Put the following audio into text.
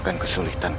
kau buta paiye